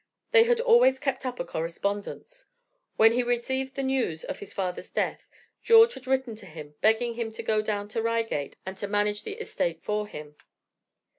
They had always kept up a correspondence. When he received the news of his father's death George had written to him, begging him to go down to Reigate, and to manage the estate for him.